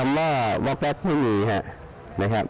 อ่าคำว่าวกแปปไม่มีครับ